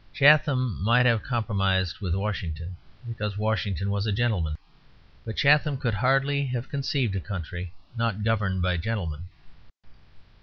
Chatham might have compromised with Washington, because Washington was a gentleman; but Chatham could hardly have conceived a country not governed by gentlemen.